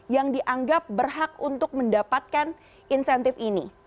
yang dianggap berhak untuk mendapatkan insentif ini